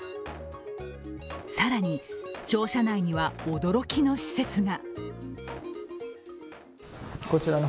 更に、庁舎内には驚きの施設が。